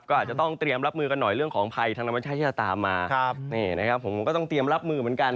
ก็ต้องเตรียมรับมือเหมือนกัน